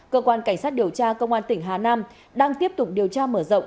cơ quan cảnh sát điều tra công an tỉnh hà nam đang tiếp tục điều tra mở rộng